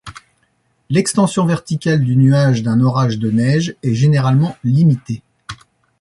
L'extension verticale du nuage d'un orage de neige est généralement limitée.